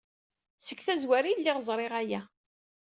Seg tazwara ay lliɣ ẓriɣ aya.